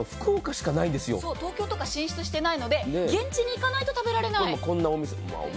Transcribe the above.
東京に進出していないので、現地に行かないと食べられない。